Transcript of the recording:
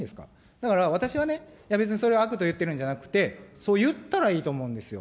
だから、私はね、いや、別にそれは悪と言ってるんじゃなくて、そう言ったらいいと思うんですよ。